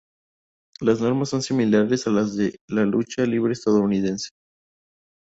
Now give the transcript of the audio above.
Las normas son similares a las de la lucha libre estadounidense.